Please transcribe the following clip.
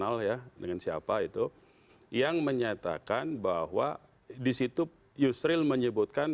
ada apa yang diperlukan